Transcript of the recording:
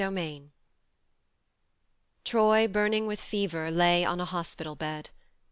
XII TROY, burning with fever, lay on a hospital bed.